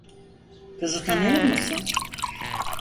Kızı tanıyor musun?